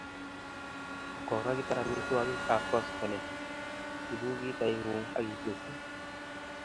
Kukakitar amitwokik ab koskoling, iibu kitait ngung aketiense